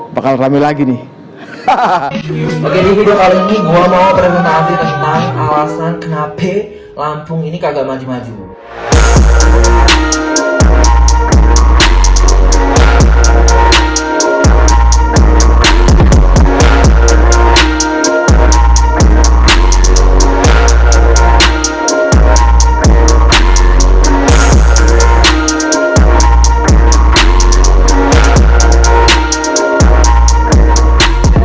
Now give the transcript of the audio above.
bakal rame lagi nih hahaha hal ini gua mau berhenti kenapa alasan kenapa lampung ini kagak